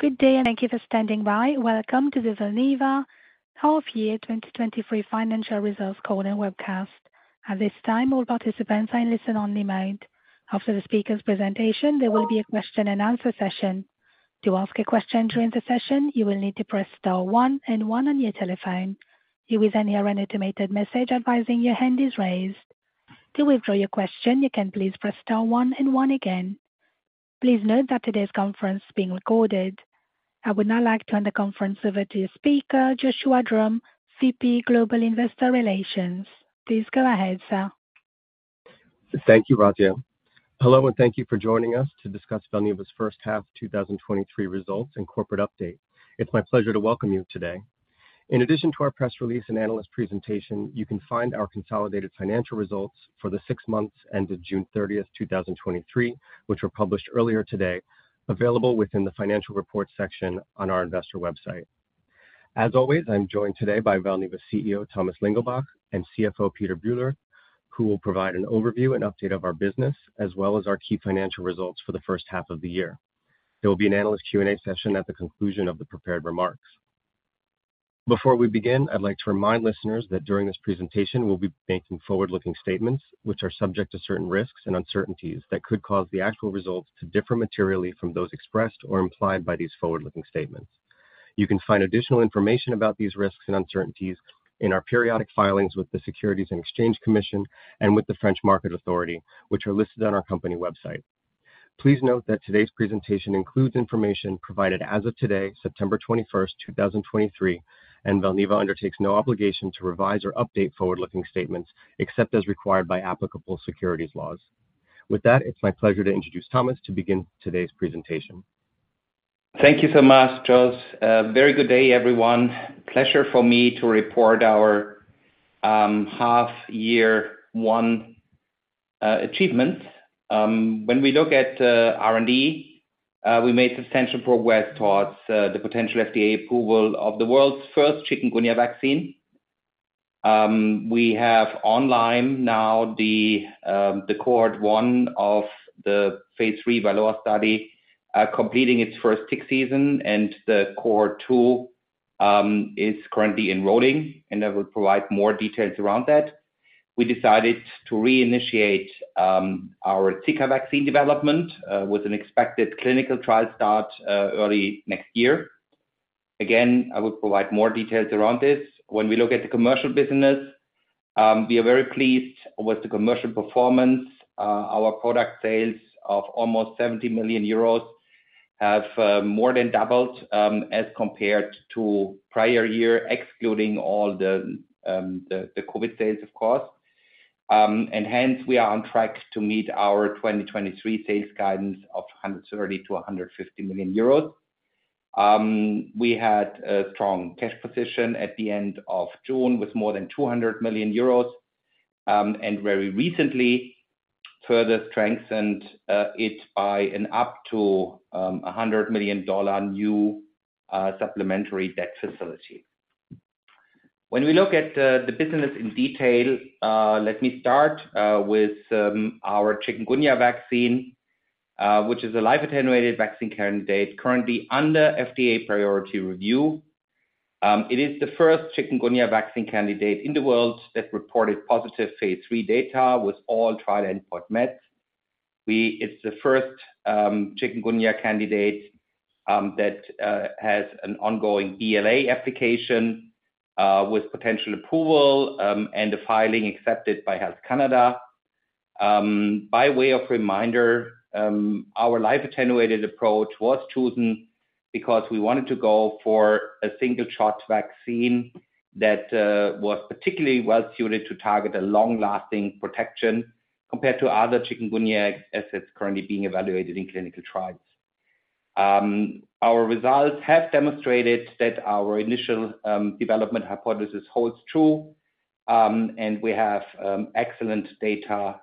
Good day, and thank you for standing by. Welcome to the Valneva Half Year 2023 Financial Results Call and Webcast. At this time, all participants are in listen only mode. After the speaker's presentation, there will be a question and answer session. To ask a question during the session, you will need to press star one and one on your telephone. You will then hear an automated message advising your hand is raised. To withdraw your question, you can please press star one and one again. Please note that today's conference is being recorded. I would now like to turn the conference over to your speaker, Joshua Drumm, VP, Global Investor Relations. Please go ahead, sir. Thank you, Raja. Hello, and thank you for joining us to discuss Valneva's first half 2023 results and corporate update. It's my pleasure to welcome you today. In addition to our press release and analyst presentation, you can find our consolidated financial results for the six months ended June 30, 2023, which were published earlier today, available within the financial reports section on our investor website. As always, I'm joined today by Valneva's CEO, Thomas Lingelbach, and CFO, Peter Bühler, who will provide an overview and update of our business, as well as our key financial results for the first half of the year. There will be an analyst Q&A session at the conclusion of the prepared remarks. Before we begin, I'd like to remind listeners that during this presentation, we'll be making forward-looking statements, which are subject to certain risks and uncertainties that could cause the actual results to differ materially from those expressed or implied by these forward-looking statements. You can find additional information about these risks and uncertainties in our periodic filings with the Securities and Exchange Commission and with the French Market Authority, which are listed on our company website. Please note that today's presentation includes information provided as of today, September 21, 2023, and Valneva undertakes no obligation to revise or update forward-looking statements, except as required by applicable securities laws. With that, it's my pleasure to introduce Thomas to begin today's presentation. Thank you so much, Josh. Very good day, everyone. Pleasure for me to report our half-year 1 achievement. When we look at R&D, we made substantial progress towards the potential FDA approval of the world's first chikungunya vaccine. We have online now the Cohort 1 of the Phase III VALOR study completing its first tick season, and the Cohort 2 is currently enrolling, and I will provide more details around that. We decided to reinitiate our Zika vaccine development with an expected clinical trial start early next year. Again, I will provide more details around this. When we look at the commercial business, we are very pleased with the commercial performance. Our product sales of almost 70 million euros have more than doubled, as compared to prior year, excluding all the COVID sales, of course. Hence we are on track to meet our 2023 sales guidance of 130 million-150 million euros. We had a strong cash position at the end of June with more than 200 million euros, and very recently further strengthened it by an up to $100 million new supplementary debt facility. When we look at the business in detail, let me start with our chikungunya vaccine, which is a live attenuated vaccine candidate currently under FDA priority review. It is the first chikungunya vaccine candidate in the world that reported positive Phase III data with all trial endpoint met. It's the first chikungunya candidate that has an ongoing BLA application with potential approval and the filing accepted by Health Canada. By way of reminder, our live attenuated approach was chosen because we wanted to go for a single shot vaccine that was particularly well suited to target a long-lasting protection compared to other chikungunya assets currently being evaluated in clinical trials. Our results have demonstrated that our initial development hypothesis holds true and we have excellent data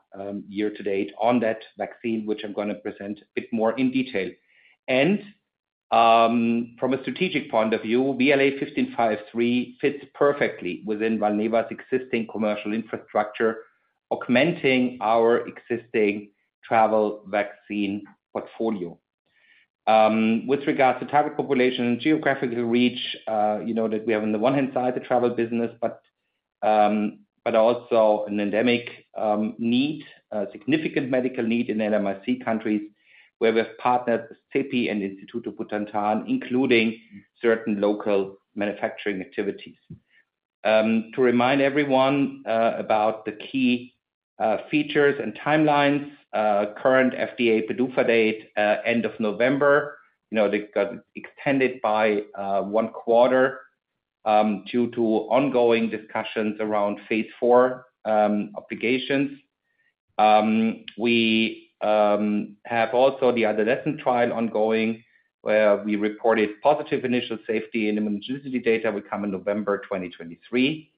year to date on that vaccine, which I'm going to present a bit more in detail. From a strategic point of view, BLA 1553 fits perfectly within Valneva's existing commercial infrastructure, augmenting our existing travel vaccine portfolio. With regards to target population and geographical reach, you know, that we have on the one-hand side, the travel business, but also an endemic need, a significant medical need in LMIC countries, where we've partnered with CEPI and Instituto Butantan, including certain local manufacturing activities. To remind everyone, about the key features and timelines, current FDA PDUFA date, end of November. You know, they got extended by one quarter, due to ongoing discussions around Phase IV obligations. We have also the adolescent trial ongoing, where we reported positive initial safety, and immunogenicity data will come in November 2023.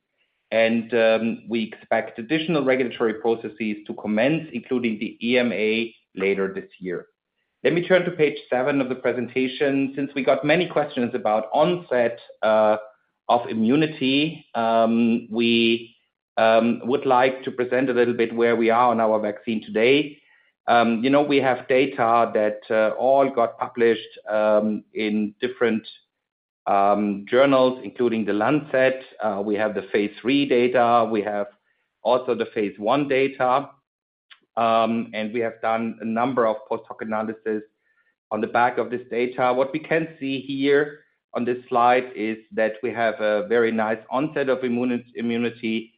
We expect additional regulatory processes to commence, including the EMA, later this year. Let me turn to page 7 of the presentation. Since we got many questions about onset of immunity, we would like to present a little bit where we are on our vaccine today. You know, we have data that all got published in different journals, including The Lancet. We have the Phase III data, we have also the Phase I data, and we have done a number of post-hoc analysis on the back of this data. What we can see here on this slide is that we have a very nice onset of immunity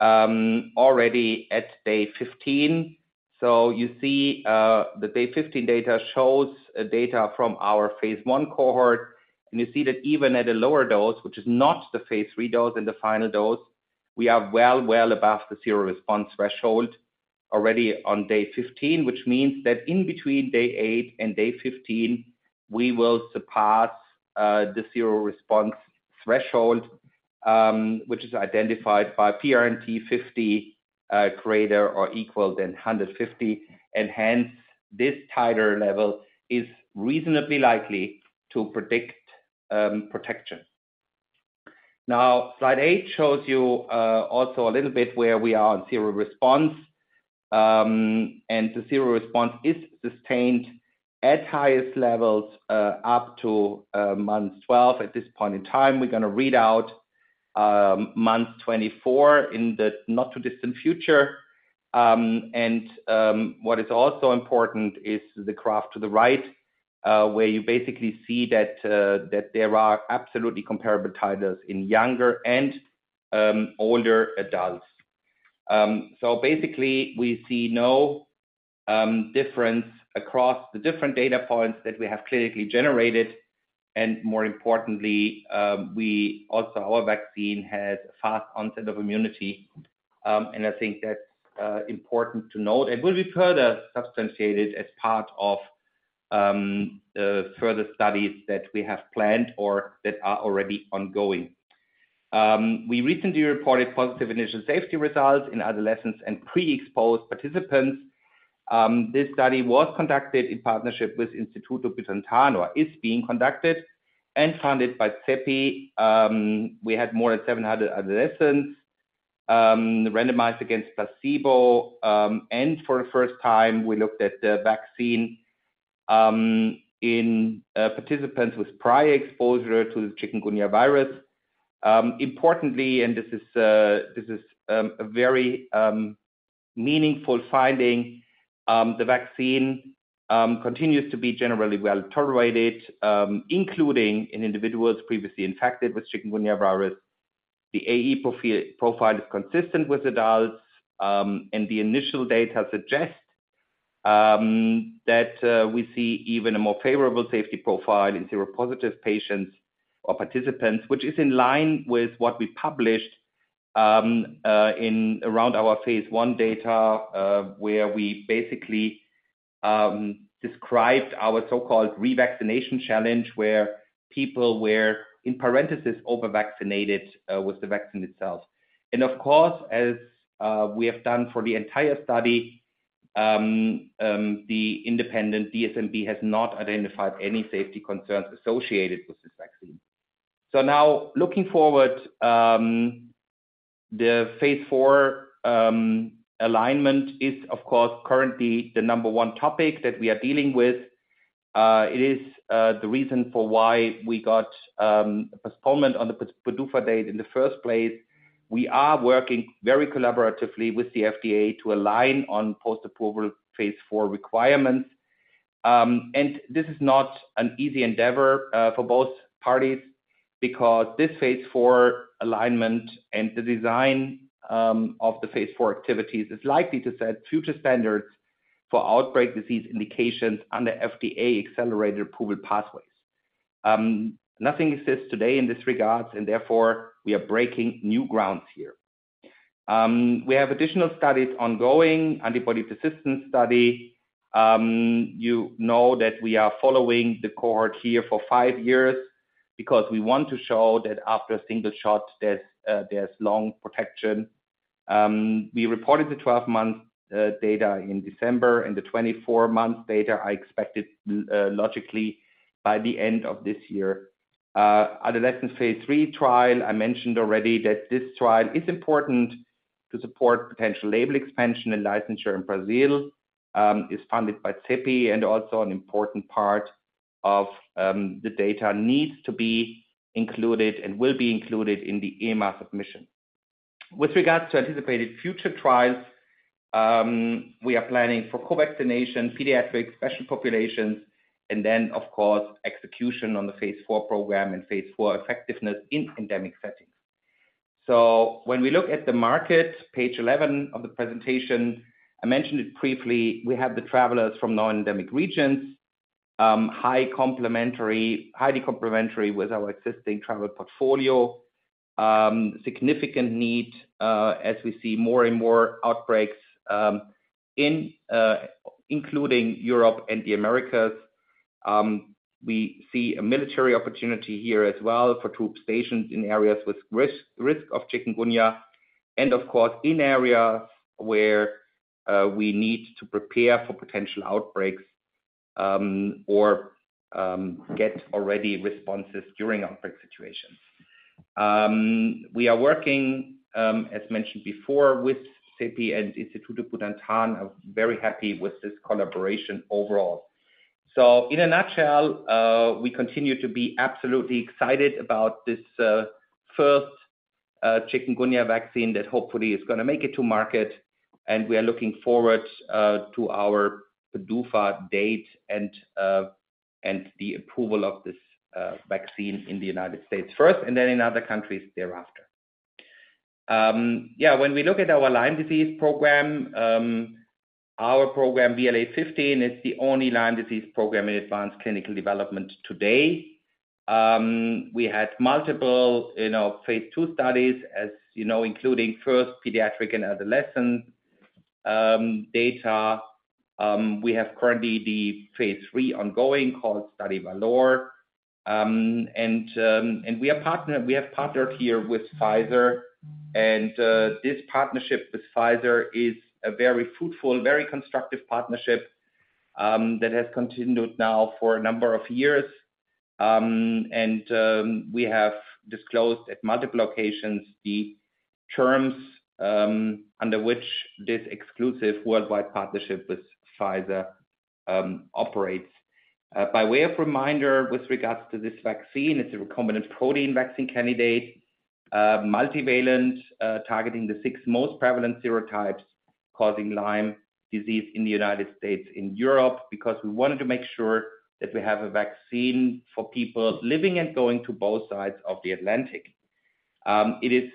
already at day 15. So you see, the day 15 data shows data from our Phase I cohort, and you see that even at a lower dose, which is not the Phase III dose and the final dose, we are well, well above the zero response threshold already on day 15, which means that in between day 8 and day 15, we will surpass the zero response threshold, which is identified by PRNT50, greater or equal than 150, and hence, this titer level is reasonably likely to predict protection. Now, slide 8 shows you also a little bit where we are on zero response. And the zero response is sustained at highest levels up to month 12. At this point in time, we're going to read out month 24 in the not-too-distant future. And, what is also important is the graph to the right, where you basically see that, that there are absolutely comparable titers in younger and, older adults. So basically, we see no, difference across the different data points that we have clinically generated, and more importantly, we also... Our vaccine has a fast onset of immunity, and I think that's, important to note. It will be further substantiated as part of, the further studies that we have planned or that are already ongoing. We recently reported positive initial safety results in adolescents and pre-exposed participants. This study was conducted in partnership with Instituto Butantan, or is being conducted and funded by CEPI. We had more than 700 adolescents, randomized against placebo. For the first time, we looked at the vaccine in participants with prior exposure to the chikungunya virus. Importantly, and this is a very meaningful finding, the vaccine continues to be generally well tolerated, including in individuals previously infected with chikungunya virus. The AE profile is consistent with adults, and the initial data suggest that we see even a more favorable safety profile in seropositive patients or participants, which is in line with what we published in around our Phase I data, where we basically described our so-called revaccination challenge, where people were, in parentheses, over-vaccinated, with the vaccine itself. Of course, as we have done for the entire study, the independent DSMB has not identified any safety concerns associated with this vaccine. Now, looking forward, the phase four alignment is, of course, currently the number one topic that we are dealing with. It is the reason for why we got a postponement on the PDUFA date in the first place. We are working very collaboratively with the FDA to align on post-approval phase four requirements. This is not an easy endeavor for both parties because this phase four alignment and the design of the phase four activities is likely to set future standards for outbreak disease indications under FDA accelerated approval pathways. Nothing exists today in this regards, and therefore, we are breaking new grounds here. We have additional studies ongoing, antibody persistence study. You know that we are following the cohort here for five years because we want to show that after a single shot, there's long protection. We reported the 12-month data in December, and the 24-month data are expected logically by the end of this year. Adolescent Phase III trial, I mentioned already that this trial is important to support potential label expansion and licensure in Brazil, is funded by CEPI, and also an important part of the data needs to be included and will be included in the EMA submission. With regards to anticipated future trials, we are planning for co-vaccination, pediatric, special populations, and then, of course, execution on the Phase IV program and Phase IV effectiveness in endemic settings. So when we look at the market, page 11 of the presentation, I mentioned it briefly, we have the travelers from non-endemic regions, highly complementary with our existing travel portfolio, significant need, as we see more and more outbreaks, including Europe and the Americas. We see a military opportunity here as well for troops stationed in areas with risk of chikungunya, and of course, in areas where we need to prepare for potential outbreaks or get already responses during outbreak situations. We are working, as mentioned before, with CEPI and Instituto Butantan. I'm very happy with this collaboration overall. In a nutshell, we continue to be absolutely excited about this first chikungunya vaccine that hopefully is going to make it to market, and we are looking forward to our PDUFA date and the approval of this vaccine in the United States first, and then in other countries thereafter. Yeah, when we look at our Lyme disease program, our program VLA15 is the only Lyme disease program in advanced clinical development today. We had multiple, you know, Phase II studies, as you know, including first pediatric and adolescent data. We have currently the Phase III ongoing, called Study VALOR. We have partnered here with Pfizer, and this partnership with Pfizer is a very fruitful, very constructive partnership that has continued now for a number of years. We have disclosed at multiple locations the terms under which this exclusive worldwide partnership with Pfizer operates. By way of reminder, with regards to this vaccine, it's a recombinant protein vaccine candidate, multivalent, targeting the six most prevalent serotypes causing Lyme disease in the United States and Europe, because we wanted to make sure that we have a vaccine for people living and going to both sides of the Atlantic. It is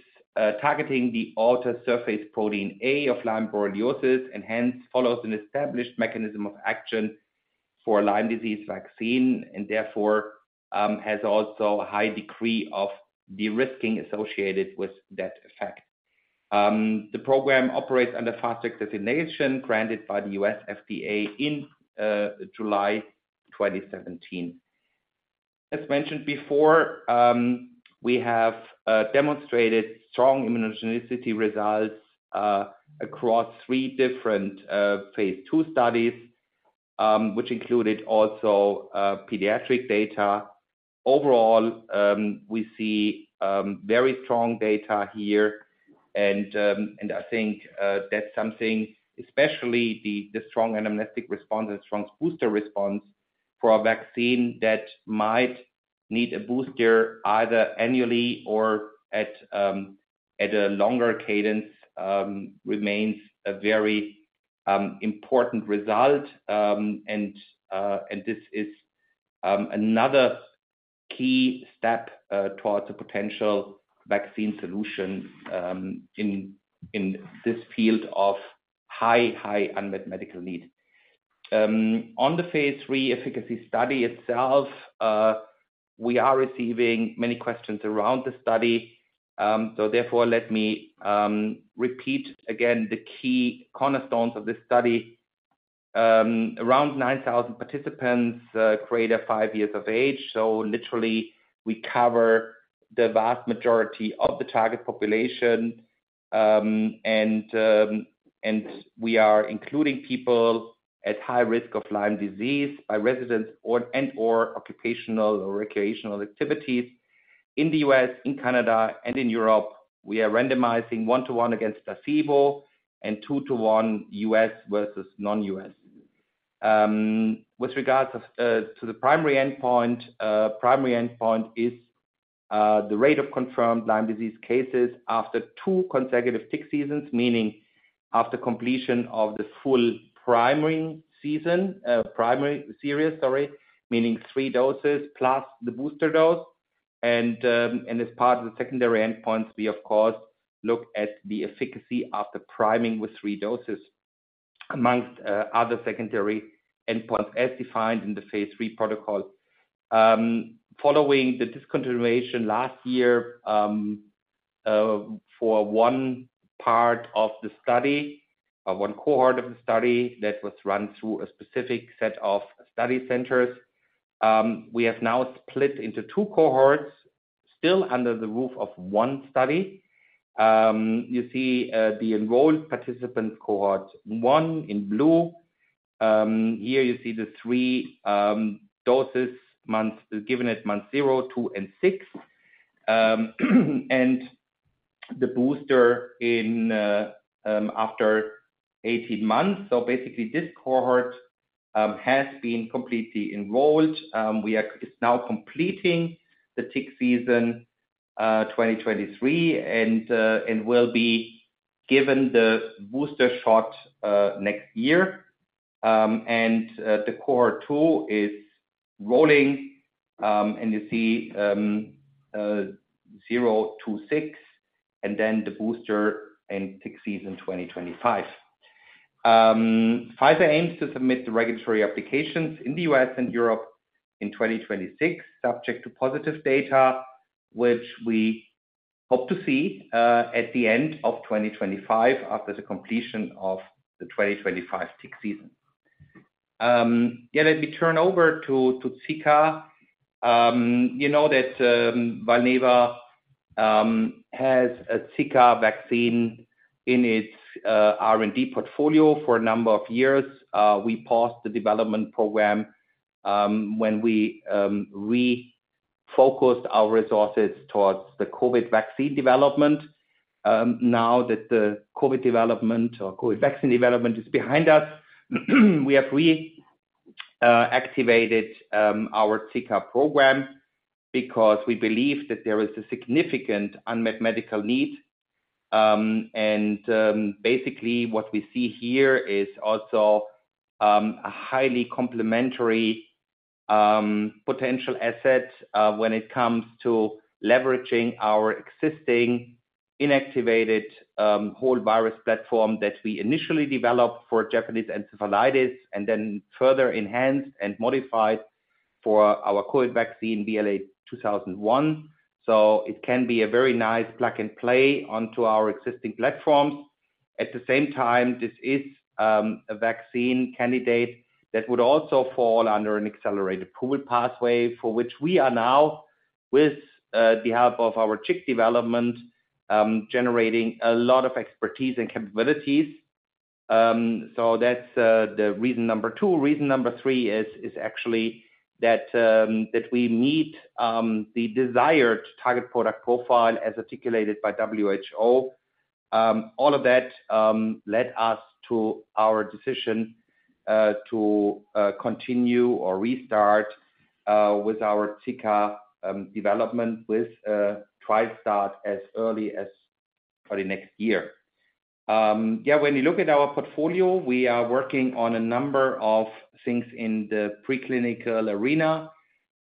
targeting the outer surface protein A of Lyme borreliosis, and hence follows an established mechanism of action for Lyme disease vaccine, and therefore has also a high degree of de-risking associated with that effect. The program operates under Fast Track designation, granted by the U.S. FDA in July 2017. As mentioned before, we have demonstrated strong immunogenicity results across three different Phase II studies, which included also pediatric data. Overall, we see very strong data here, and I think that's something, especially the strong anamnestic response and strong booster response for a vaccine that might need a booster either annually or at a longer cadence, remains a very important result. This is another key step towards a potential vaccine solution in this field of high, high unmet medical need. On the Phase III efficacy study itself, we are receiving many questions around the study. Therefore, let me repeat again the key cornerstones of this study. Around 9,000 participants, greater 5 years of age. Literally, we cover the vast majority of the target population. We are including people at high risk of Lyme disease by residents or, and, or occupational or recreational activities in the U.S., in Canada, and in Europe. We are randomizing 1 to 1 against placebo and 2 to 1 U.S. versus non-U.S. With regards to the primary endpoint, primary endpoint is the rate of confirmed Lyme disease cases after two consecutive tick seasons, meaning after completion of the full priming series, meaning 3 doses plus the booster dose. As part of the secondary endpoints, we, of course, look at the efficacy after priming with 3 doses, among other secondary endpoints as defined in the Phase III protocol. Following the discontinuation last year, for one part of the study, one cohort of the study that was run through a specific set of study centers, we have now split into two cohorts, still under the roof of one study. You see the enrolled participant cohort 1 in blue. Here you see the 3 doses months given at month 0, 2, and 6. And the booster in after 18 months. So basically, this cohort has been completely enrolled. We are just now completing the tick season 2023, and will be given the booster shot next year. And the cohort 2 is rolling, and you see 0 to 6, and then the booster in tick season 2025. Pfizer aims to submit the regulatory applications in the U.S. and Europe in 2026, subject to positive data, which we hope to see at the end of 2025 after the completion of the 2025 tick season. Yeah, let me turn over to Zika. You know that Valneva has a Zika vaccine in its R&D portfolio for a number of years. We paused the development program when we refocused our resources towards the COVID vaccine development. Now that the COVID development or COVID vaccine development is behind us, we have reactivated our Zika program because we believe that there is a significant unmet medical need. Basically what we see here is also a highly complementary potential asset when it comes to leveraging our existing inactivated whole virus platform that we initially developed for Japanese encephalitis, and then further enhanced and modified for our COVID vaccine, VLA2001. It can be a very nice plug and play onto our existing platforms. At the same time, this is a vaccine candidate that would also fall under an accelerated pool pathway, for which we are now with the help of our chick development generating a lot of expertise and capabilities. That's the reason number two. Reason number three is actually that we meet the desired target product profile as articulated by WHO. All of that led us to our decision to continue or restart with our Zika development with trial start as early as for the next year. Yeah, when you look at our portfolio, we are working on a number of things in the preclinical arena.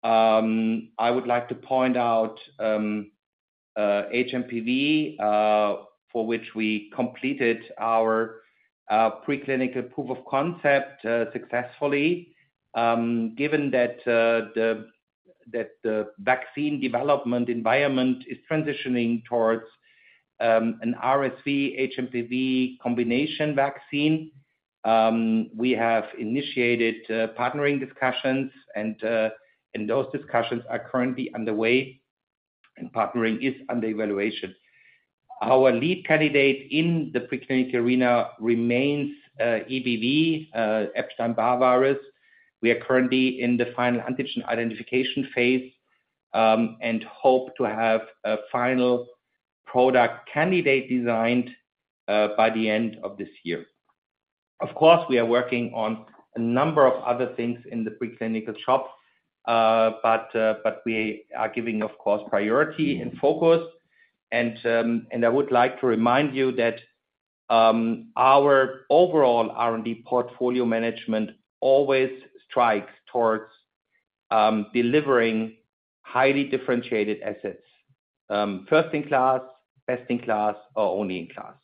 I would like to point out HMPV, for which we completed our preclinical proof of concept successfully. Given that the vaccine development environment is transitioning towards an RSV HMPV combination vaccine, we have initiated partnering discussions and those discussions are currently underway, and partnering is under evaluation. Our lead candidate in the preclinical arena remains EBV, Epstein-Barr virus. We are currently in the final antigen identification phase, and hope to have a final product candidate designed, by the end of this year. Of course, we are working on a number of other things in the preclinical shop. We are giving, of course, priority and focus. I would like to remind you that, our overall R&D portfolio management always strikes towards, delivering highly differentiated assets, first in class, best in class, or only in class.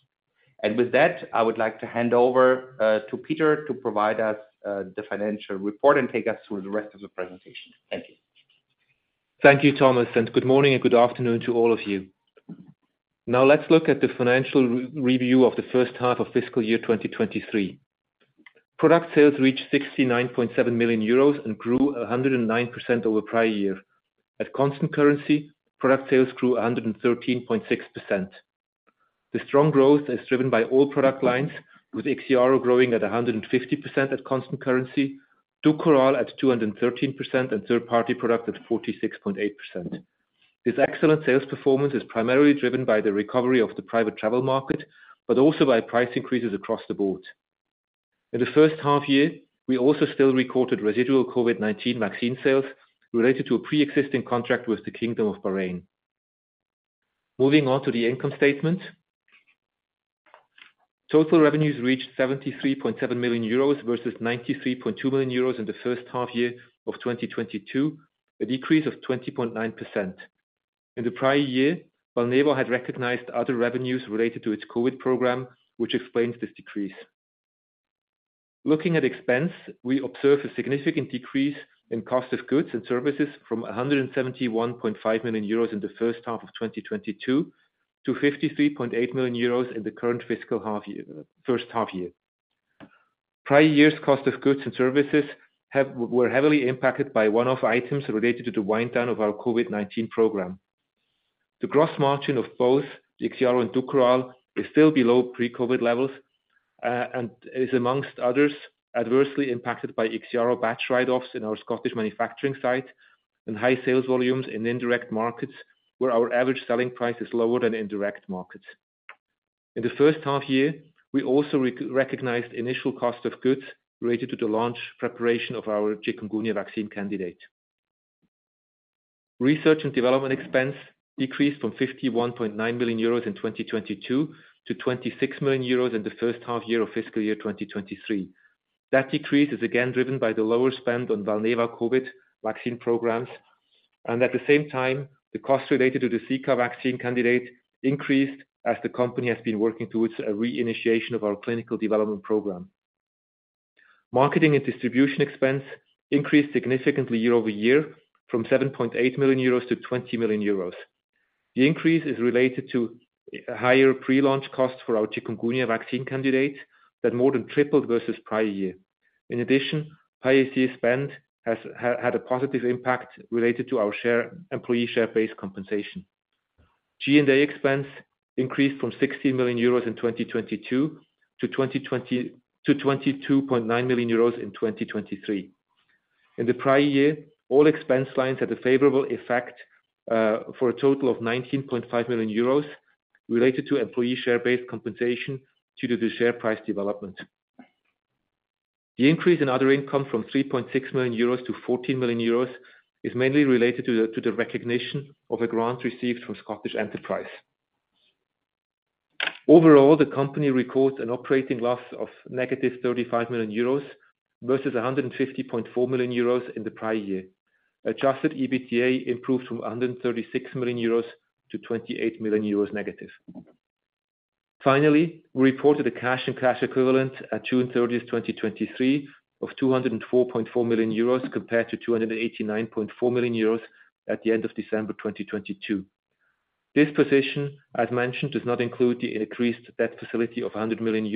And with that, I would like to hand over, to Peter to provide us, the financial report and take us through the rest of the presentation. Thank you. Thank you, Thomas, and good morning and good afternoon to all of you. Now let's look at the financial re-review of the first half of fiscal year 2023. Product sales reached 69.7 million euros and grew 109% over prior year. At constant currency, product sales grew 113.6%. The strong growth is driven by all product lines, with IXIARO growing at 150% at constant currency, DUKORAL at 213%, and third-party product at 46.8%. This excellent sales performance is primarily driven by the recovery of the private travel market, but also by price increases across the board. In the first half year, we also still recorded residual COVID-19 vaccine sales related to a pre-existing contract with the Kingdom of Bahrain. Moving on to the income statement. Total revenues reached 73.7 million euros versus 93.2 million euros in the first half year of 2022, a decrease of 20.9%. In the prior year, Valneva had recognized other revenues related to its COVID program, which explains this decrease. Looking at expense, we observe a significant decrease in cost of goods and services from 171.5 million euros in the first half of 2022 to 53.8 million euros in the current fiscal half year, first half year. Prior years' cost of goods and services were heavily impacted by one-off items related to the wind down of our COVID-19 program. The gross margin of both the IXIARO and DUKORAL is still below pre-COVID levels and is, amongst others, adversely impacted by IXIARO batch write-offs in our Scottish manufacturing site and high sales volumes in indirect markets, where our average selling price is lower than in direct markets. In the first half year, we also recognized initial cost of goods related to the launch preparation of our chikungunya vaccine candidate. Research and development expense decreased from 51.9 million euros in 2022 to 26 million euros in the first half year of fiscal year 2023. That decrease is again driven by the lower spend on Valneva COVID vaccine programs, and at the same time, the costs related to the Zika vaccine candidate increased as the company has been working towards a reinitiation of our clinical development program. Marketing and distribution expense increased significantly year-over-year from 7.8 million euros to 20 million euros. The increase is related to higher pre-launch costs for our chikungunya vaccine candidate that more than tripled versus prior year. In addition, higher AC spend has had a positive impact related to our share, employee share-based compensation. G&A expense increased from 60 million euros in 2022 to 22.9 million euros in 2023. In the prior year, all expense lines had a favorable effect for a total of 19.5 million euros related to employee share-based compensation due to the share price development. The increase in other income from 3.6 million euros to 14 million euros is mainly related to the recognition of a grant received from Scottish Enterprise. Overall, the company records an operating loss of -35 million euros versus 150.4 million euros in the prior year. Adjusted EBITDA improved from 136 million euros to -28 million euros. Finally, we reported cash and cash equivalents at June thirtieth, 2023, of 204.4 million euros, compared to 289.4 million euros at the end of December 2022. This position, as mentioned, does not include the increased debt facility of $100 million,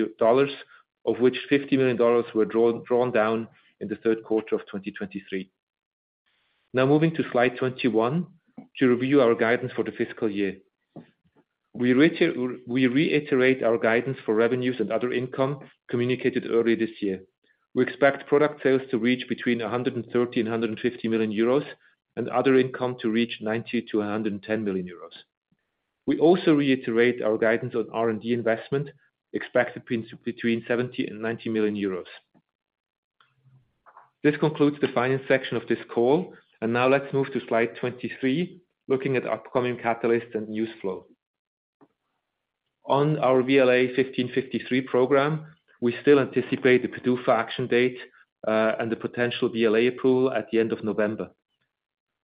of which $50 million were drawn down in the third quarter of 2023. Now moving to slide 21, to review our guidance for the fiscal year. We reiterate our guidance for revenues and other income communicated earlier this year. We expect product sales to reach between 130 million-150 million euros, and other income to reach 90 million-110 million euros. We also reiterate our guidance on R&D investment, expected between 70 million-90 million euros. This concludes the finance section of this call, and now let's move to slide 23, looking at upcoming catalysts and news flow. On our VLA1553 program, we still anticipate the PDUFA action date and the potential BLA approval at the end of November.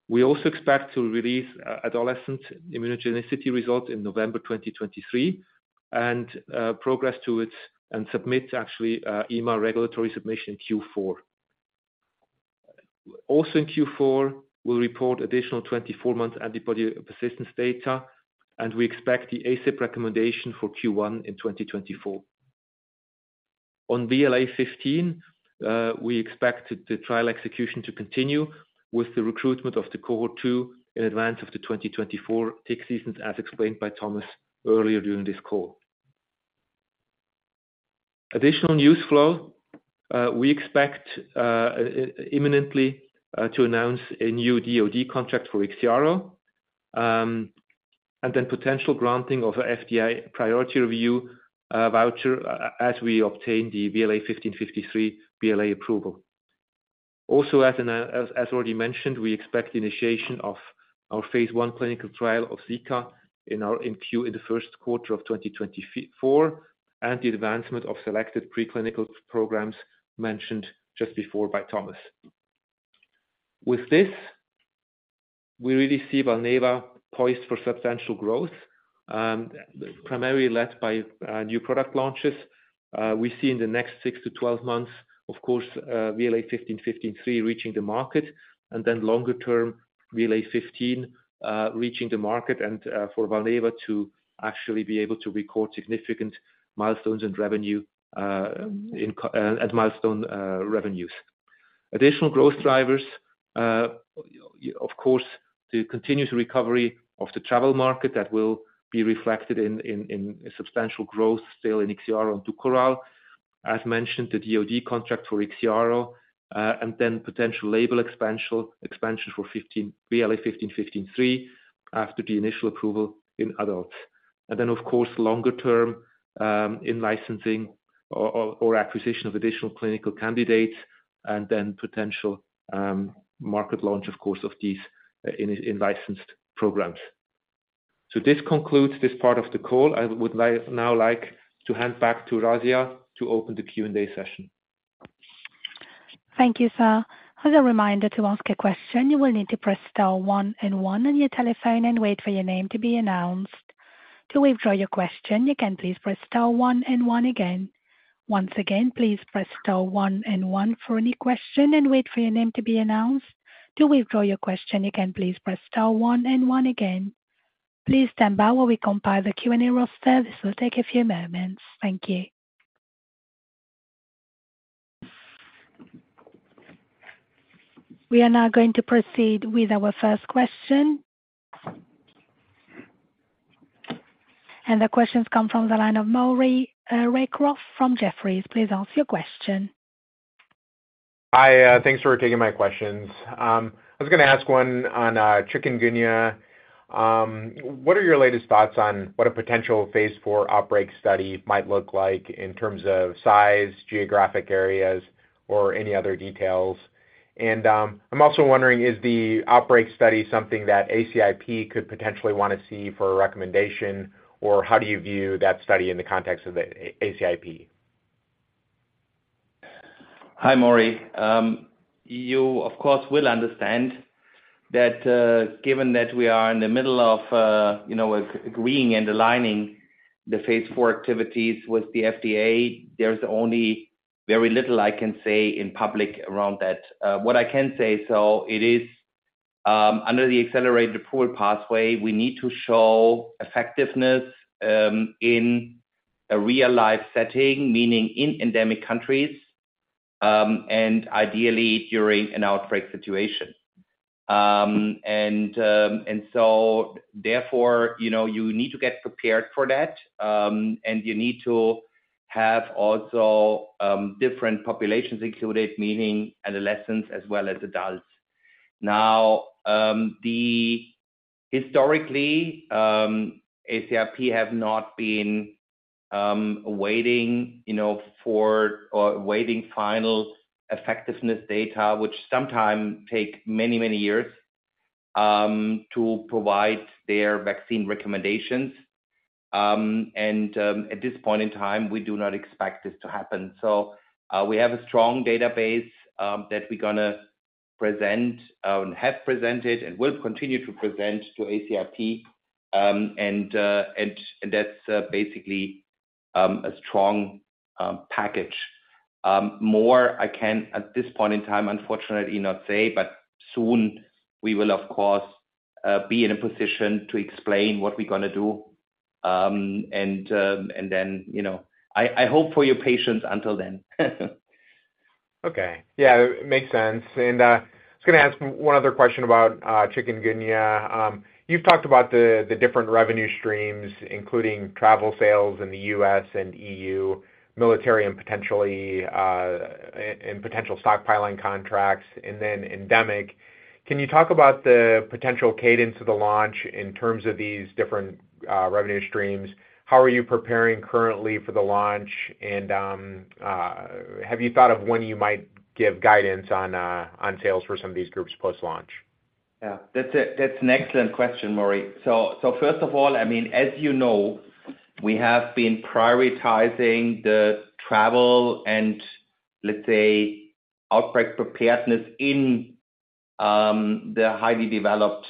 We also expect to release adolescent immunogenicity results in November 2023, and progress to it and submit actually EMA regulatory submission in Q4. Also in Q4, we'll report additional 24-month antibody persistence data, and we expect the ACIP recommendation for Q1 in 2024. On VLA15, we expect the trial execution to continue with the recruitment of the cohort two in advance of the 2024 tick season, as explained by Thomas earlier during this call. Additional news flow, we expect imminently to announce a new DoD contract for IXIARO, and then potential granting of FDA priority review voucher, as we obtain the VLA1553 BLA approval. Also, as already mentioned, we expect initiation of our Phase I clinical trial of Zika in the first quarter of 2024, and the advancement of selected preclinical programs mentioned just before by Thomas. With this, we really see Valneva poised for substantial growth, primarily led by new product launches. We see in the next six to 12 months, of course, VLA1553 reaching the market, and then longer term, VLA15 reaching the market, and for Valneva to actually be able to record significant milestones and revenue in co- and milestone revenues. Additional growth drivers, of course, the continuous recovery of the travel market that will be reflected in substantial growth still in IXIARO and DUKORAL. As mentioned, the DoD contract for IXIARO, and then potential label expansion for fifteen, VLA1553 after the initial approval in adults. And then, of course, longer term, in licensing or acquisition of additional clinical candidates, and then potential market launch, of course, of these in licensed programs. So this concludes this part of the call. I would like now to hand back to Radia to open the Q&A session. Thank you, sir. As a reminder, to ask a question, you will need to press star one and one on your telephone and wait for your name to be announced. To withdraw your question, you can please press star one and one again. Once again, please press star one and one for any question and wait for your name to be announced. To withdraw your question, you can please press star one and one again. Please stand by while we compile the Q&A roster. This will take a few moments. Thank you. We are now going to proceed with our first question. The questions come from the line of Maury Raycroft from Jefferies. Please ask your question. Hi, thanks for taking my questions. I was going to ask one on Chikungunya. What are your latest thoughts on what a potential Phase IV outbreak study might look like in terms of size, geographic areas, or any other details? And, I'm also wondering, is the outbreak study something that ACIP could potentially want to see for a recommendation? Or how do you view that study in the context of the ACIP? Hi, Maury. You, of course, will understand that, given that we are in the middle of, you know, agreeing and aligning the phase four activities with the FDA, there's only very little I can say in public around that. What I can say, so it is- Under the accelerated pool pathway, we need to show effectiveness in a real-life setting, meaning in endemic countries, and ideally during an outbreak situation. Therefore, you need to get prepared for that, and you need to have also different populations included, meaning adolescents as well as adults. Now, historically, ACIP have not been waiting for or waiting final effectiveness data, which sometime take many, many years, to provide their vaccine recommendations. At this point in time, we do not expect this to happen. We have a strong database that we're gonna present, have presented and will continue to present to ACIP. That's basically a strong package. More I can at this point in time, unfortunately not say, but soon we will, of course, be in a position to explain what we're gonna do. And then, you know, I hope for your patience until then. Okay. Yeah, it makes sense. And I was gonna ask one other question about chikungunya. You've talked about the different revenue streams, including travel sales in the US and EU, military, and potentially and potential stockpiling contracts, and then endemic. Can you talk about the potential cadence of the launch in terms of these different revenue streams? How are you preparing currently for the launch? And have you thought of when you might give guidance on sales for some of these groups post-launch? Yeah, that's a, that's an excellent question, Maury. First of all, I mean, as you know, we have been prioritizing the travel and, let's say, outbreak preparedness in the highly developed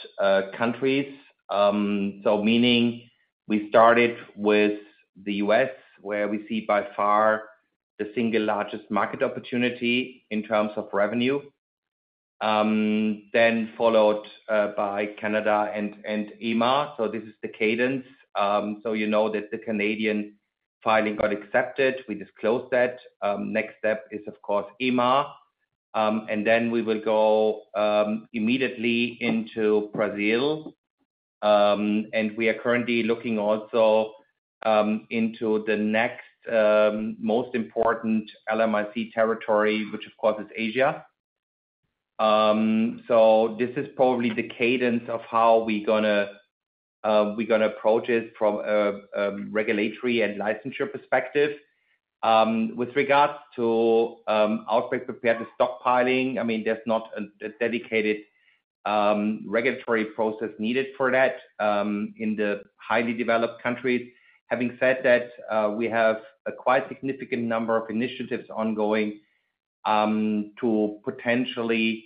countries. Meaning we started with the U.S., where we see by far the single largest market opportunity in terms of revenue, then followed by Canada and EMA. This is the cadence. You know that the Canadian filing got accepted. We disclosed that. Next step is, of course, EMA, and we will go immediately into Brazil. We are currently looking also into the next most important LMIC territory, which of course is Asia. This is probably the cadence of how we gonna, we gonna approach it from a regulatory and licensure perspective. With regards to outbreak prepared, the stockpiling, I mean, there's not a dedicated regulatory process needed for that in the highly developed countries. Having said that, we have a quite significant number of initiatives ongoing to potentially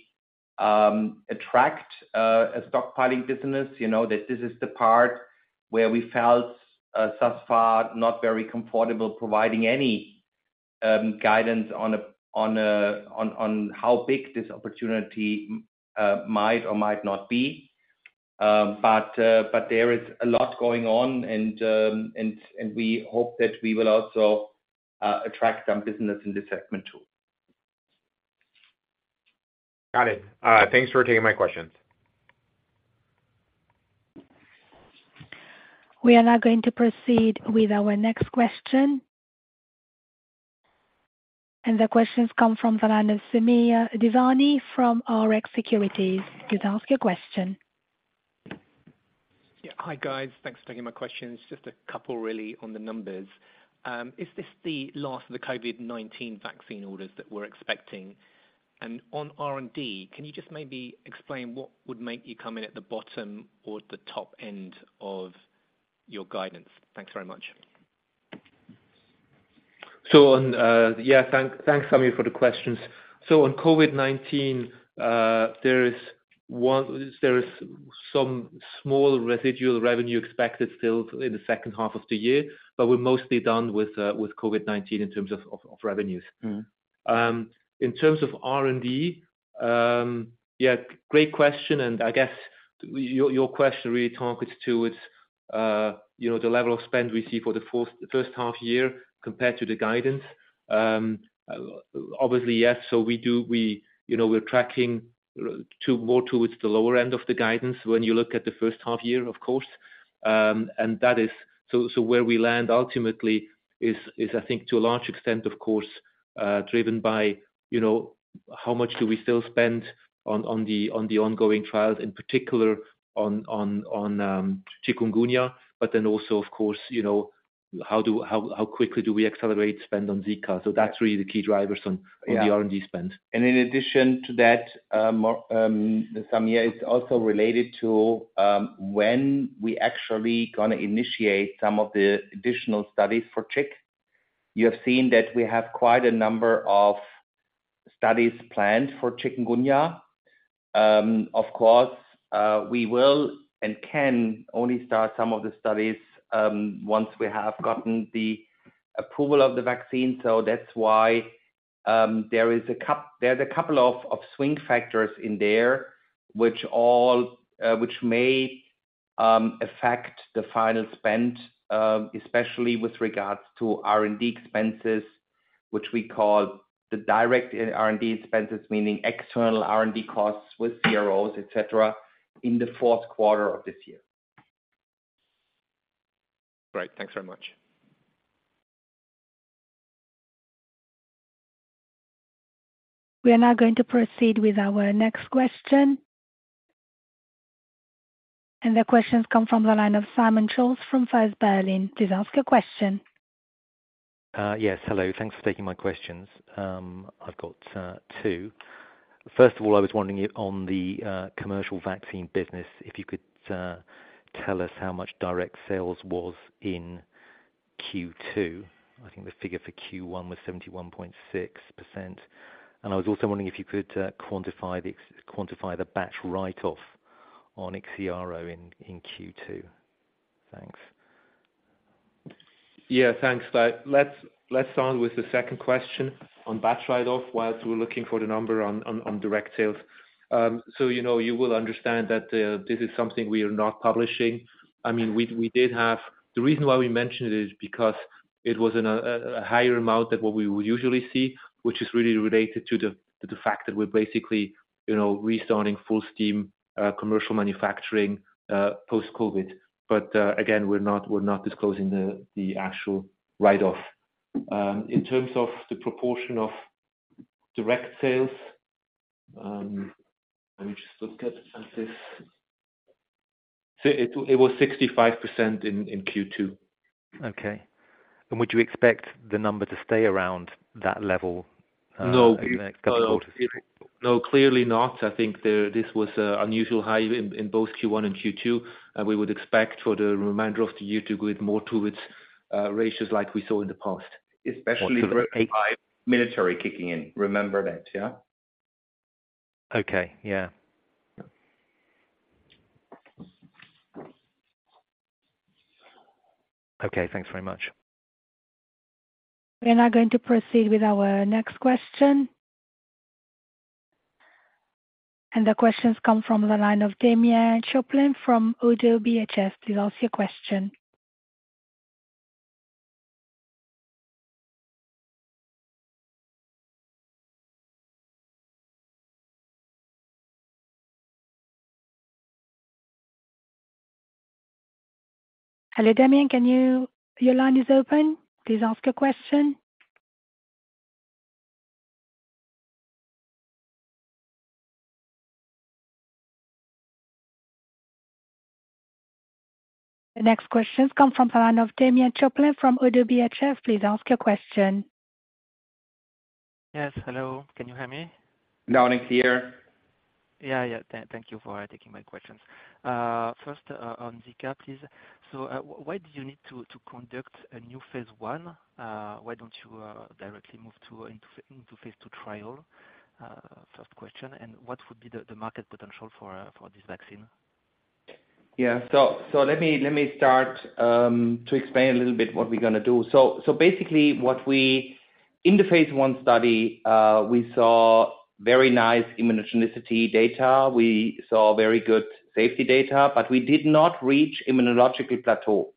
attract a stockpiling business, you know, that this is the part where we felt, thus far, not very comfortable providing any guidance on how big this opportunity might or might not be. There is a lot going on, and we hope that we will also attract some business in this segment, too. Got it. Thanks for taking my questions. We are now going to proceed with our next question. The question comes from Samir Devani from Rx Securities. Please ask your question. Yeah. Hi, guys. Thanks for taking my questions. Just a couple really on the numbers. Is this the last of the COVID-19 vaccine orders that we're expecting? And on R&D, can you just maybe explain what would make you come in at the bottom or the top end of your guidance? Thanks very much. Yeah, thanks, Samir, for the questions. On COVID-19, there is some small residual revenue expected still in the second half of the year, but we're mostly done with COVID-19 in terms of revenues. Mm-hmm. In terms of R&D, yeah, great question, and I guess your question really targets towards, you know, the level of spend we see for the first half year compared to the guidance. Obviously, yes. So we do, you know, we're tracking to, more towards the lower end of the guidance when you look at the first half year, of course. And that is, so where we land ultimately is, I think to a large extent, of course, driven by, you know, how much do we still spend on the ongoing trials, in particular on chikungunya, but then also, of course, you know, how quickly do we accelerate spend on Zika? So that's really the key drivers on- Yeah -on the R&D spend. In addition to that, Maury, Samir, it's also related to when we actually gonna initiate some of the additional studies for IXCHIQ. You have seen that we have quite a number of studies planned for chikungunya. Of course, we will and can only start some of the studies once we have gotten the approval of the vaccine. So that's why-... There is a couple of swing factors in there, which all which may affect the final spend, especially with regards to R&D expenses, which we call the direct R&D expenses, meaning external R&D costs with CROs, et cetera, in the fourth quarter of this year. Great. Thanks very much. We are now going to proceed with our next question. The question comes from the line of Simon Scholes from First Berlin. Please ask your question. Yes. Hello. Thanks for taking my questions. I've got two. First of all, I was wondering if on the commercial vaccine business, if you could tell us how much direct sales was in Q2. I think the figure for Q1 was 71.6%. And I was also wondering if you could quantify the batch write-off on IXIARO in Q2. Thanks. Yeah, thanks. Let's start with the second question on batch write-off, whilst we're looking for the number on direct sales. You know, you will understand that this is something we are not publishing. I mean, we did have—the reason why we mentioned it is because it was in a higher amount than what we would usually see, which is really related to the fact that we're basically, you know, restarting full steam, commercial manufacturing, post-COVID. Again, we're not disclosing the actual write-off. In terms of the proportion of direct sales, let me just look at this. It was 65% in Q2. Okay. Would you expect the number to stay around that level? No. In the coming quarter? No, clearly not. I think this was an unusual high in both Q1 and Q2, and we would expect for the remainder of the year to go it more towards ratios like we saw in the past, especially with military kicking in. Remember that, yeah? Okay. Yeah. Okay, thanks very much. We're now going to proceed with our next question. The question comes from the line of Damien Choplain from ODDO BHF. Please ask your question. Hello, Damien, can you... Your line is open. Please ask your question. The next question comes from the line of Damien Choplain from ODDO BHF. Please ask your question. Yes. Hello, can you hear me? Loud and clear. Yeah, yeah. Thank, thank you for taking my questions. First, on Zika, please. So, why do you need to conduct a new Phase I? Why don't you directly move into Phase II trial? First question, and what would be the market potential for this vaccine? Yeah. So let me start to explain a little bit what we're gonna do. So basically what we're gonna do. In the Phase I study, we saw very nice immunogenicity data. We saw very good safety data, but we did not reach immunological plateau.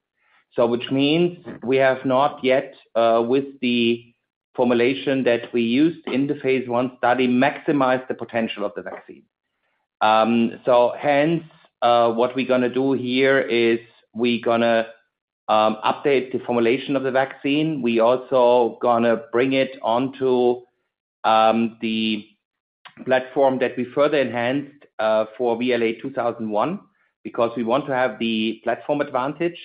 So which means we have not yet, with the formulation that we used in the Phase I study, maximize the potential of the vaccine. So hence, what we're gonna do here is we're gonna update the formulation of the vaccine. We also gonna bring it onto the platform that we further enhanced for VLA2001, because we want to have the platform advantage.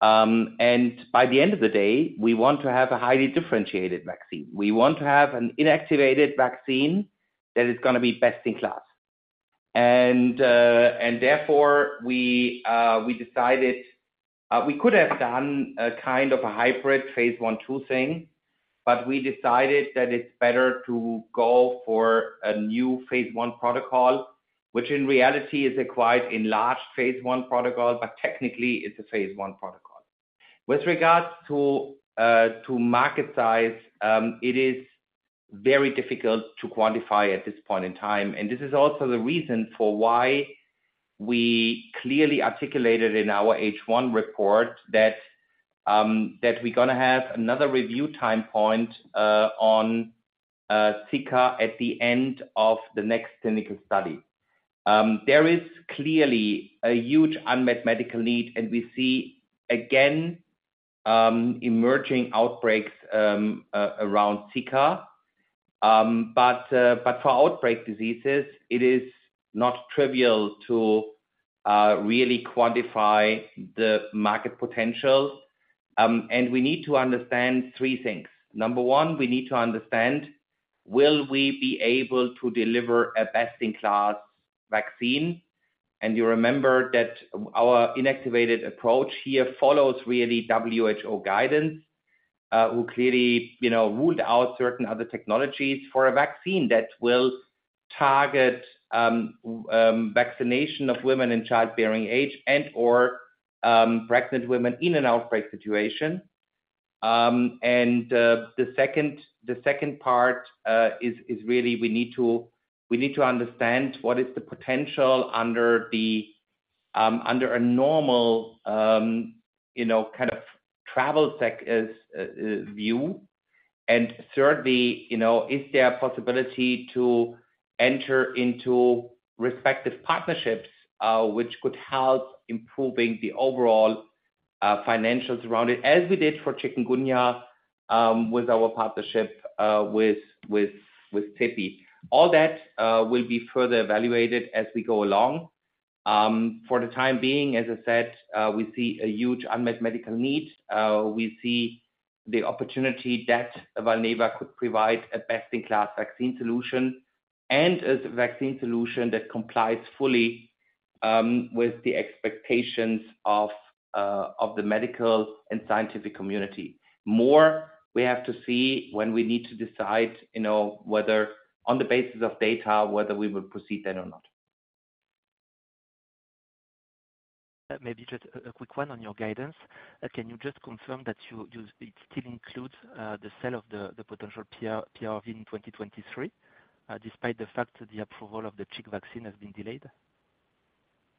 And by the end of the day, we want to have a highly differentiated vaccine. We want to have an inactivated vaccine that is gonna be best in class. Therefore, we decided we could have done a kind of hybrid Phase I -two thing, but we decided that it's better to go for a new Phase I protocol, which in reality is a quite enlarged Phase I protocol, but technically it's a Phase I protocol. With regards to market size, it is very difficult to quantify at this point in time, and this is also the reason for why we clearly articulated in our H1 report that we're gonna have another review time point on Zika at the end of the next clinical study. There is clearly a huge unmet medical need, and we see again emerging outbreaks around Zika. For outbreak diseases, it is not trivial to really quantify the market potential. We need to understand three things. Number one, we need to understand, will we be able to deliver a best-in-class vaccine? You remember that our inactivated approach here follows really WHO guidance, who clearly, you know, ruled out certain other technologies for a vaccine that will target, you know, vaccination of women in childbearing age and or, you know, pregnant women in an outbreak situation. The second part is, is really we need to, we need to understand what is the potential under the, under a normal, you know, kind of travel sec, you know, view. Thirdly, you know, is there a possibility to enter into respective partnerships, which could help improving the overall, you know, financial surrounding, as we did for chikungunya, with our partnership, with, with, with CEPI. All that will be further evaluated as we go along. For the time being, as I said, we see a huge unmet medical need. We see the opportunity that Valneva could provide a best-in-class vaccine solution and as a vaccine solution that complies fully, with the expectations of, of the medical and scientific community. More, we have to see when we need to decide, you know, whether on the basis of data, whether we will proceed then or not. Maybe just a quick one on your guidance. Can you just confirm that you still include the sale of the potential PRV in 2023, despite the fact that the approval of the chick vaccine has been delayed?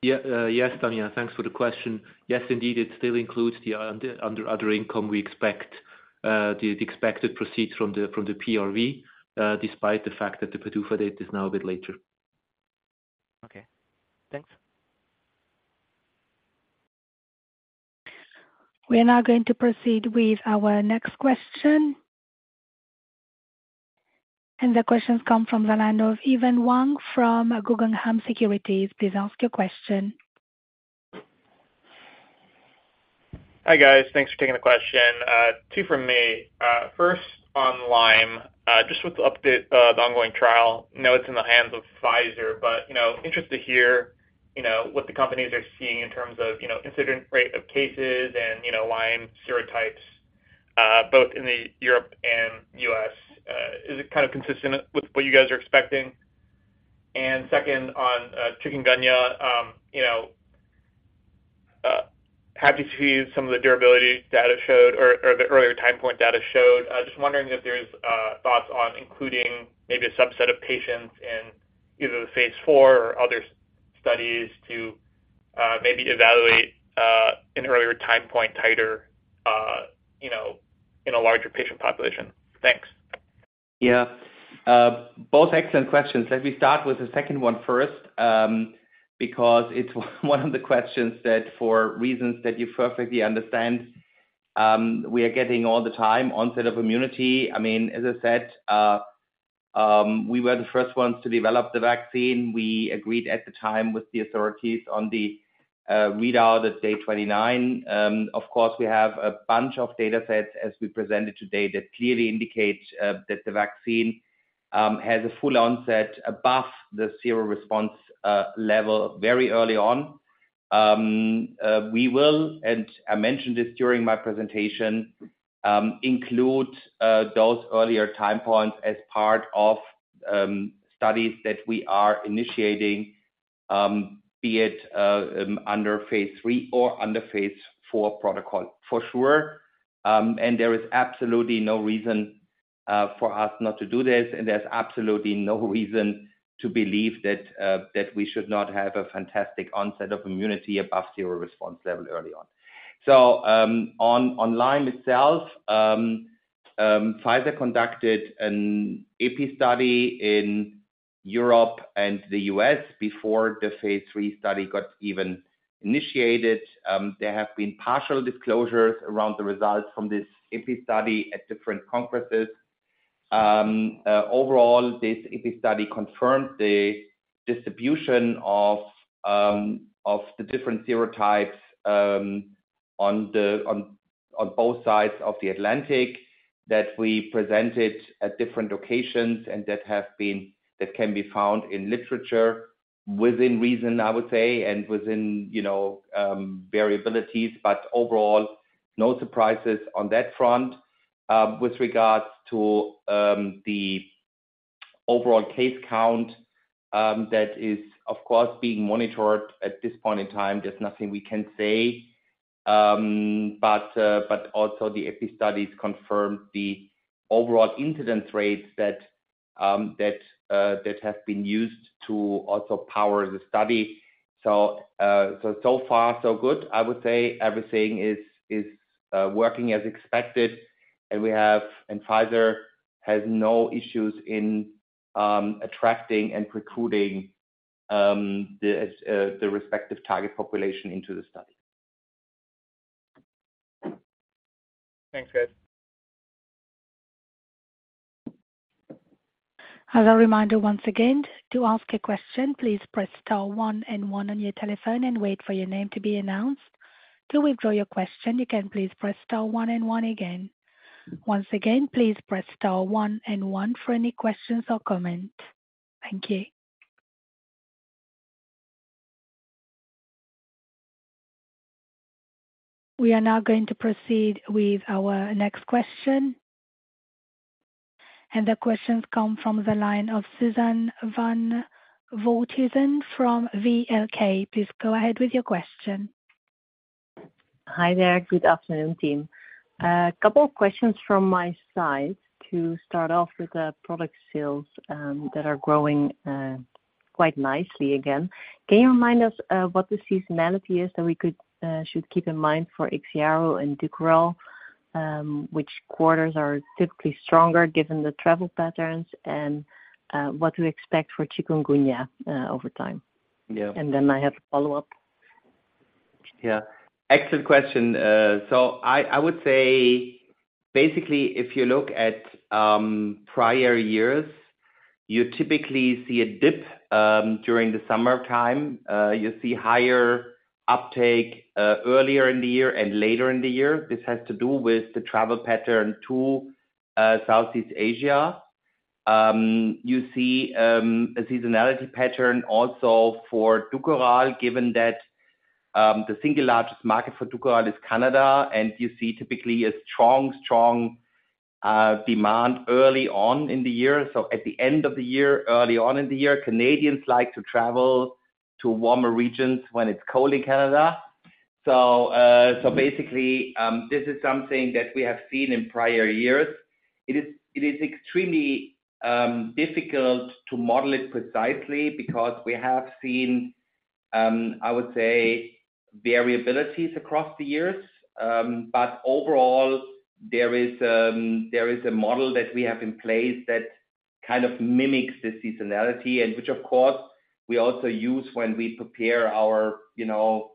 Yeah, yes, Damien, thanks for the question. Yes, indeed, it still includes the under other income we expect, the expected proceeds from the PRV, despite the fact that the PDUFA date is now a bit later. Okay, thanks. We are now going to proceed with our next question. The question comes from the line of Evan Wang from Guggenheim Securities. Please ask your question. Hi, guys. Thanks for taking the question. Two from me. First, on Lyme, just with the update, the ongoing trial. I know it's in the hands of Pfizer, but, you know, interested to hear, you know, what the companies are seeing in terms of, you know, incidence rate of cases and, you know, Lyme serotypes, both in Europe and U.S. Is it kind of consistent with what you guys are expecting? And second, on chikungunya, you know, happy to see some of the durability data showed or the earlier time point data showed. Just wondering if there's thoughts on including maybe a subset of patients in either the phase four or other studies to maybe evaluate an earlier time point tighter, you know, in a larger patient population. Thanks. Yeah. Both excellent questions. Let me start with the second one first, because it's one of the questions that for reasons that you perfectly understand, we are getting all the time: onset of immunity. I mean, as I said, we were the first ones to develop the vaccine. We agreed at the time with the authorities on the readout at day 29. Of course, we have a bunch of data sets as we presented today, that clearly indicate that the vaccine has a full onset above the zero response level very early on. We will, and I mentioned this during my presentation, include those earlier time points as part of studies that we are initiating, be it under Phase III or under Phase IV protocol for sure. There is absolutely no reason for us not to do this, and there's absolutely no reason to believe that we should not have a fantastic onset of immunity above zero response level early on. Online itself, Pfizer conducted an Epi study in Europe and the U.S. before the Phase III study got even initiated. There have been partial disclosures around the results from this Epi study at different conferences. Overall, this Epi study confirmed the distribution of the different serotypes on both sides of the Atlantic, that we presented at different locations, and that can be found in literature within reason, I would say, and within, you know, variabilities, but overall, no surprises on that front. With regards to the overall case count, that is, of course, being monitored at this point in time. There's nothing we can say, but also the AP studies confirmed the overall incidence rates that have been used to also power the study. So far, so good. I would say everything is working as expected, and we have, and Pfizer has no issues in attracting and recruiting the respective target population into the study. Thanks, guys. As a reminder, once again, to ask a question, please press star one one on your telephone and wait for your name to be announced. To withdraw your question, you can please press star one one again. Once again, please press star one one for any questions or comments. Thank you. We are now going to proceed with our next question. The question comes from the line of Suzanne van Voorthuizen from Van Lanschot Kempen. Please go ahead with your question. Hi there. Good afternoon, team. A couple of questions from my side to start off with the product sales that are growing quite nicely again. Can you remind us what the seasonality is that we should keep in mind for IXIARO and DUKORAL, which quarters are typically stronger given the travel patterns and what we expect for chikungunya over time? Yeah. I have a follow-up. Yeah, excellent question. So I, I would say, basically, if you look at, prior years, you typically see a dip, during the summer time. You see higher uptake, earlier in the year and later in the year, this has to do with the travel pattern to, Southeast Asia. You see, a seasonality pattern also for DUKORAL, given that, the single largest market for DUKORAL is Canada, and you see typically a strong, strong, demand early on in the year. So at the end of the year, early on in the year, Canadians like to travel to warmer regions when it's cold in Canada. So, so basically, this is something that we have seen in prior years. It is extremely difficult to model it precisely because we have seen, I would say, variabilities across the years. But overall, there is a model that we have in place that kind of mimics the seasonality and which, of course, we also use when we prepare our, you know,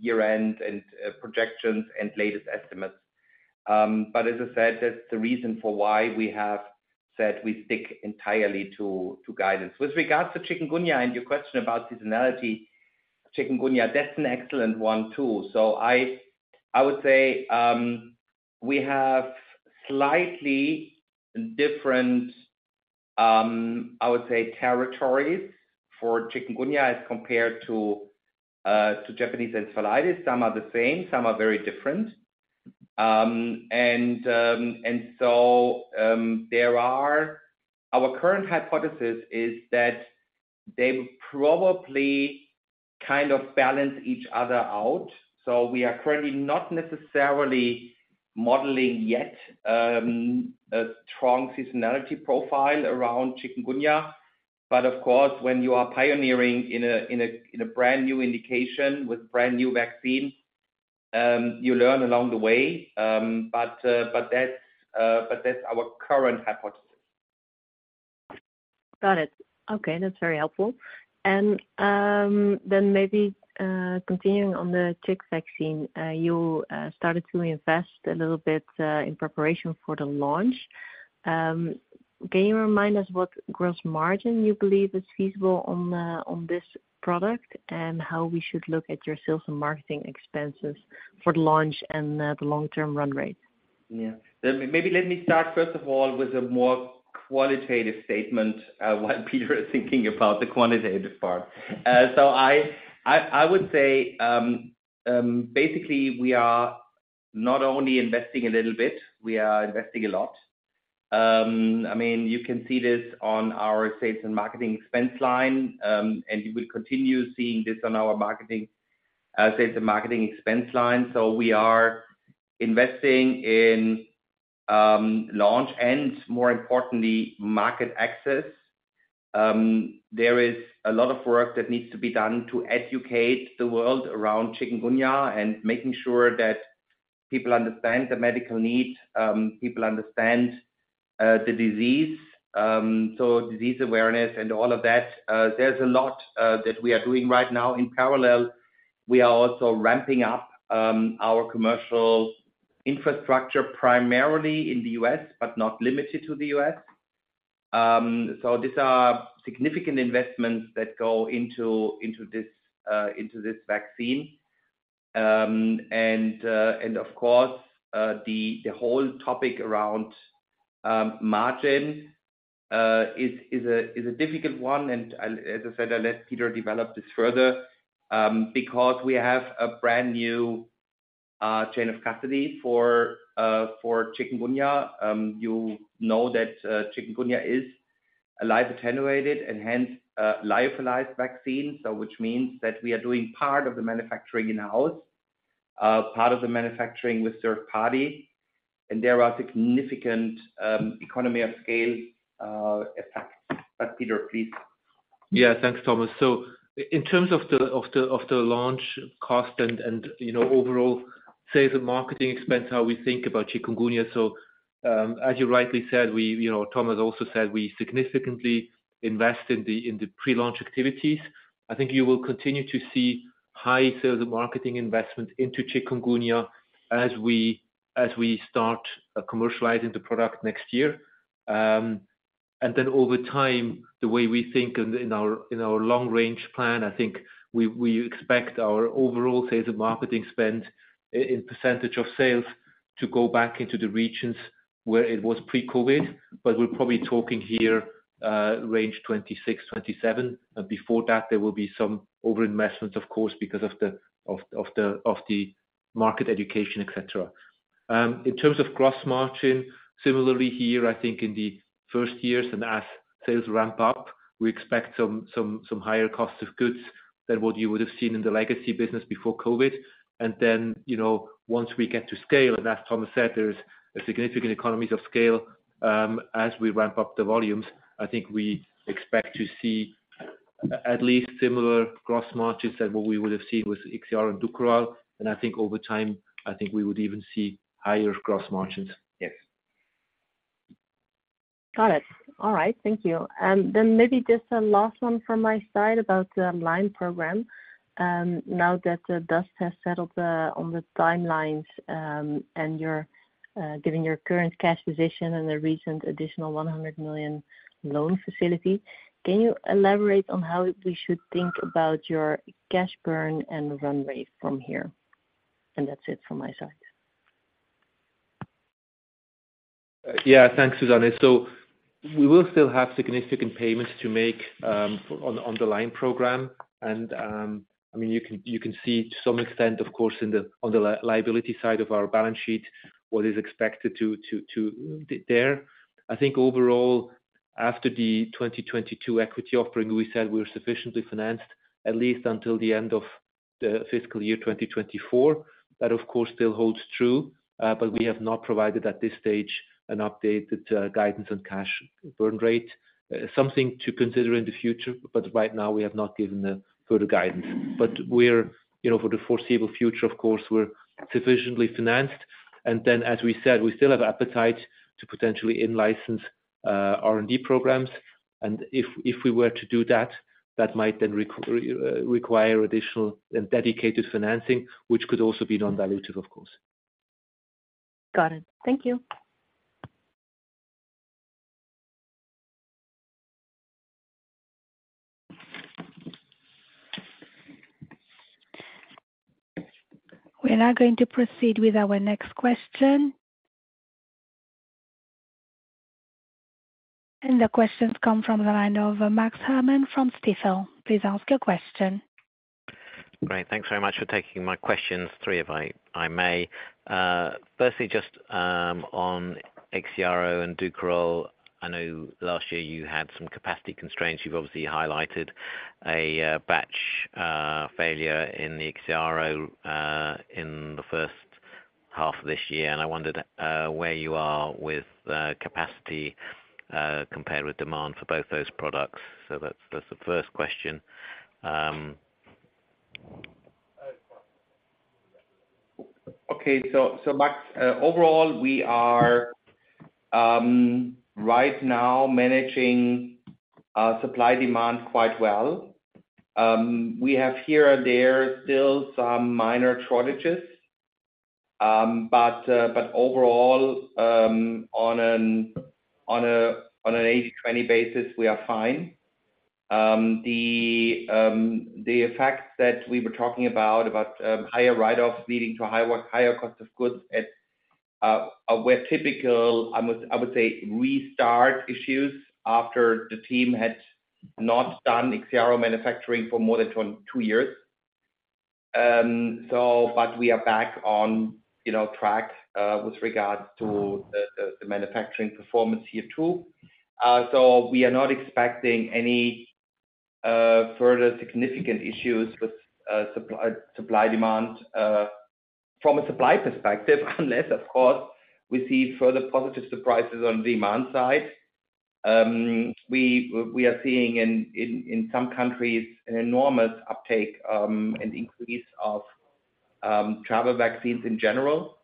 year-end and projections and latest estimates. But as I said, that's the reason for why we have said we stick entirely to guidance. With regards to chikungunya, and your question about seasonality, chikungunya, that's an excellent one, too. So I would say, we have slightly different, I would say, territories for chikungunya as compared to Japanese encephalitis. Some are the same, some are very different. Our current hypothesis is that they probably kind of balance each other out, so we are currently not necessarily modeling yet a strong seasonality profile around chikungunya. Of course, when you are pioneering in a brand-new indication with a brand-new vaccine, you learn along the way. That's our current hypothesis. Got it. Okay, that's very helpful. Then maybe, continuing on the IXCHIQ vaccine, you started to invest a little bit in preparation for the launch. Can you remind us what gross margin you believe is feasible on the, on this product, and how we should look at your sales and marketing expenses for the launch and the long-term run rate? Yeah. Maybe let me start, first of all, with a more qualitative statement while Peter is thinking about the quantitative part. So I would say, basically, we are not only investing a little bit, we are investing a lot. I mean, you can see this on our sales and marketing expense line, and you will continue seeing this on our marketing, sales and marketing expense line. So we are investing in launch and, more importantly, market access. There is a lot of work that needs to be done to educate the world around Chikungunya and making sure that people understand the medical needs, people understand the disease, so disease awareness and all of that. There's a lot that we are doing right now in parallel. We are also ramping up our commercial infrastructure, primarily in the U.S., but not limited to the U.S.. So these are significant investments that go into this vaccine. And of course, the whole topic around margin is a difficult one, and I'll, as I said, I'll let Peter develop this further, because we have a brand-new chain of custody for Chikungunya. You know that Chikungunya is a live attenuated and hence lyophilized vaccine, so which means that we are doing part of the manufacturing in-house, part of the manufacturing with third party, and there are significant economy of scale effects. But Peter, please. Yeah, thanks, Thomas. So in terms of the launch cost and, you know, overall sales and marketing expense, how we think about chikungunya. So, as you rightly said, we, you know, Thomas also said we significantly invest in the pre-launch activities. I think you will continue to see high sales and marketing investment into chikungunya as we start commercializing the product next year. And then over time, the way we think in our long range plan, I think we expect our overall sales and marketing spend in percentage of sales to go back into the regions where it was pre-COVID, but we're probably talking here range 26%-27%. But before that, there will be some over-investment, of course, because of the market education, et cetera. In terms of gross margin, similarly here, I think in the first years, and as sales ramp up, we expect some, some, some higher cost of goods than what you would have seen in the legacy business before COVID. You know, once we get to scale, and as Thomas said, there's significant economies of scale, as we ramp up the volumes, I think we expect to see at least similar gross margins than what we would have seen with IXIARO and DUKORAL. I think over time, I think we would even see higher gross margins. Yes. Got it. All right, thank you. Then maybe just a last one from my side about the Lyme program. Now that the dust has settled on the timelines, and you're giving your current cash position and the recent additional 100 million loan facility, can you elaborate on how we should think about your cash burn and runway from here? That's it from my side. Yeah, thanks, Suzanne. We will still have significant payments to make on the Lyme program. I mean, you can see to some extent, of course, on the liability side of our balance sheet, what is expected there. I think overall, after the 2022 equity offering, we said we were sufficiently financed at least until the end of the fiscal year 2024. That, of course, still holds true, but we have not provided at this stage an updated guidance on cash burn rate. Something to consider in the future, but right now we have not given further guidance. We're, you know, for the foreseeable future, of course, we're sufficiently financed. As we said, we still have appetite to potentially in-license R&D programs. And if we were to do that, that might then require additional and dedicated financing, which could also be non-dilutive, of course. Got it. Thank you. We are now going to proceed with our next question. The question comes from the line of Max Herrmann from Stifel. Please ask your question. Great. Thanks very much for taking my questions. Three, if I may. Firstly, just on IXIARO and DUKORAL. I know last year you had some capacity constraints. You've obviously highlighted a batch failure in the IXIARO in the first half of this year, and I wondered where you are with the capacity compared with demand for both those products. So that's the first question. Okay, so, Max, overall, we are right now managing supply demand quite well. We have here and there still some minor shortages. But overall, on an 80/20 basis, we are fine. The fact that we were talking about higher write-offs leading to higher cost of goods at were typical, I would say, restart issues after the team had not done IXIARO manufacturing for more than 22 years. So but we are back on, you know, track with regards to the manufacturing performance here, too. So we are not expecting any further significant issues with supply demand from a supply perspective, unless, of course, we see further positive surprises on demand side. We are seeing in some countries an enormous uptake and increase of travel vaccines in general.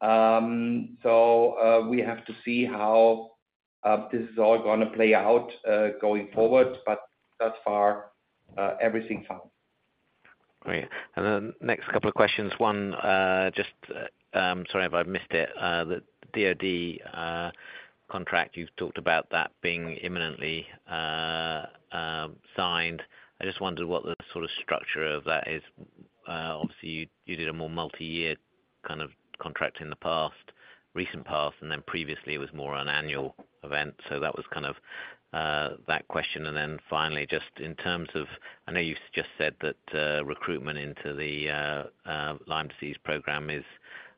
So, we have to see how this is all gonna play out going forward, but thus far, everything's fine. Great. And then next couple of questions. One, just, sorry, if I missed it, the DoD contract, you've talked about that being imminently signed. I just wondered what the sort of structure of that is. Obviously, you did a more multi-year kind of contract in the past, recent past, and then previously it was more on annual event. So that was kind of that question. And then finally, just in terms of, I know you've just said that recruitment into the Lyme disease program is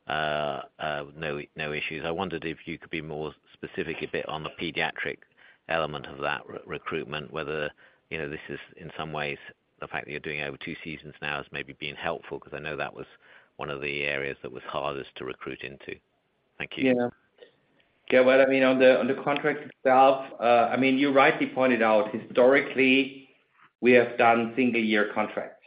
no issues. I wondered if you could be more specific a bit on the pediatric element of that re-recruitment, whether, you know, this is in some ways, the fact that you're doing over two seasons now is maybe being helpful, because I know that was one of the areas that was hardest to recruit into. Thank you. Yeah. Yeah, well, I mean, on the contract itself, I mean, you rightly pointed out, historically, we have done single year contract.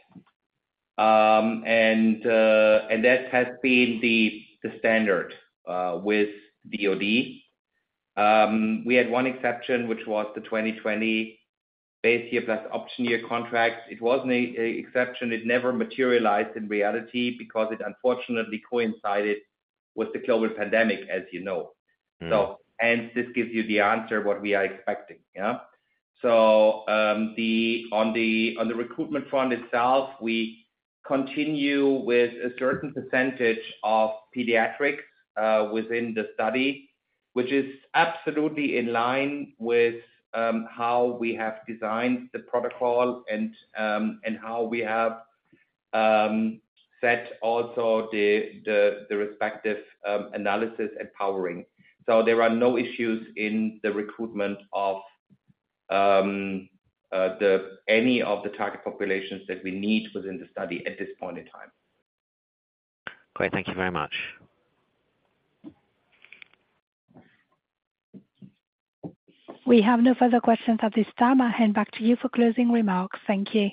And that has been the standard with DoD. We had one exception, which was the 2020 base year plus option year contract. It was an exception. It never materialized in reality because it unfortunately coincided with the COVID pandemic, as you know. Mm-hmm. This gives you the answer, what we are expecting. Yeah? On the recruitment front itself, we continue with a certain percentage of pediatrics within the study, which is absolutely in line with how we have designed the protocol and how we have set also the respective analysis and powering. There are no issues in the recruitment of any of the target populations that we need within the study at this point in time. Great. Thank you very much. We have no further questions at this time. I'll hand back to you for closing remarks. Thank you.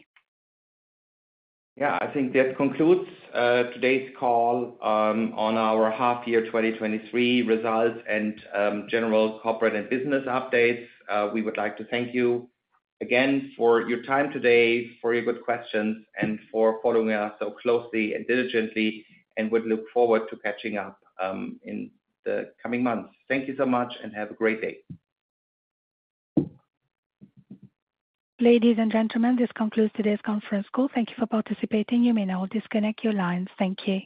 Yeah, I think that concludes today's call on our half-year 2023 results and general corporate and business updates. We would like to thank you again for your time today, for your good questions, and for following us so closely and diligently, and we look forward to catching up in the coming months. Thank you so much, and have a great day. Ladies and gentlemen, this concludes today's conference call. Thank you for participating. You may now disconnect your lines. Thank you.